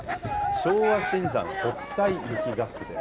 昭和新山国際雪合戦。